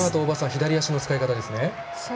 左足の使い方ですね。